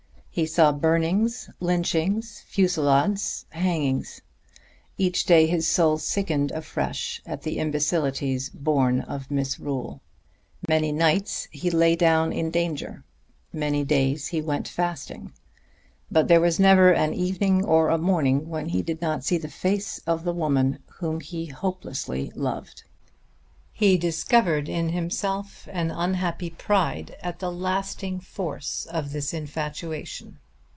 He saw burnings, lynchings, fusillades, hangings; each day his soul sickened afresh at the imbecilities born of misrule. Many nights he lay down in danger. Many days he went fasting. But there was never an evening or a morning when he did not see the face of the woman whom he hopelessly loved. He discovered in himself an unhappy pride at the lasting force of this infatuation.